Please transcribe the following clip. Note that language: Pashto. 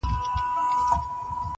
• دلته مستي ورانوي دلته خاموشي ورانوي.